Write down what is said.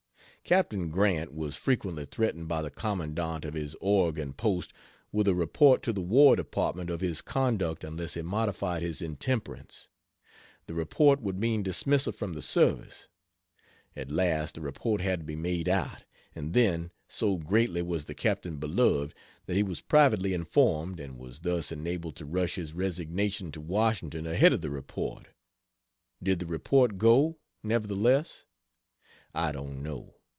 ......................... Captain Grant was frequently threatened by the Commandant of his Oregon post with a report to the War Department of his conduct unless he modified his intemperance. The report would mean dismissal from the service. At last the report had to be made out; and then, so greatly was the captain beloved, that he was privately informed, and was thus enabled to rush his resignation to Washington ahead of the report. Did the report go, nevertheless? I don't know.